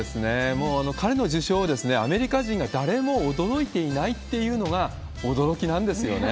もう彼の受賞は、アメリカ人が誰も驚いていないっていうのが驚きなんですよね。